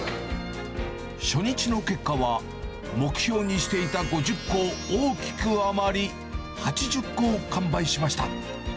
初日の結果は、目標にしていた５０個を大きく上回り、８０個を完売しました。